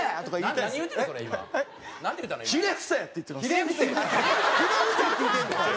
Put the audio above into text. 「ひれ伏せ」って言うてんの？